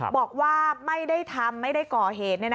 บอกว่าไม่ได้ทำไม่ได้ก่อเหตุ